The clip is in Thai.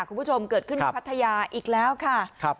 คุณผู้ชมเกิดขึ้นที่พัทยาอีกแล้วค่ะ